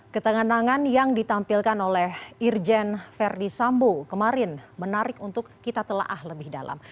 ketengan nangan yang ditampilkan oleh irjen verdi sambo kemarin menarik untuk kita telah lebih dalam